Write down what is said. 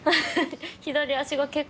左足が結構。